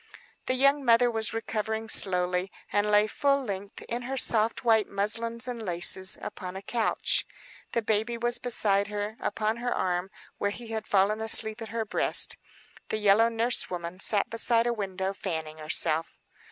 The young mother was recovering slowly, and lay full length, in her soft white muslins and laces, upon a couch. The baby was beside her, upon her arm, where he had fallen asleep, at her breast. The yellow nurse woman sat beside a window fanning herself.